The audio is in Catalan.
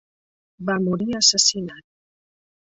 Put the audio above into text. Va morir assassinat.